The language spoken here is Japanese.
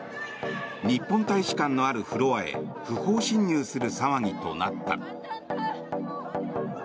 日本大使館のあるフロアへ不法侵入する騒ぎとなった。